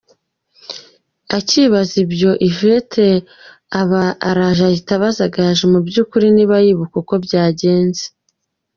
Akibaza ibyo Yvette aba araje ahita abaza Gaju mu byukuri niba yibuka uko byagenze.